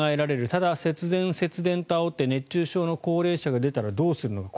ただ、節電、節電とあおって熱中症の高齢者が出たらどうするのか。